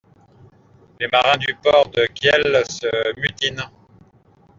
Les marins du port de Kiel se mutinent.